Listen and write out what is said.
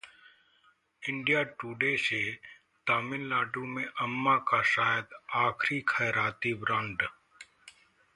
India Today से: तमिलनाडु में अम्मा का शायद आखिरी खैराती ब्रांड